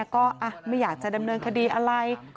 ก็ไม่อยากจะดำเนินคดีอะไร